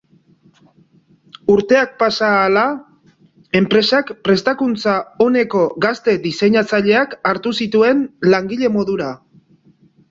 Urteak pasa ahala, enpresak prestakuntza oneko gazte diseinatzaileak hartu zituen langile modura.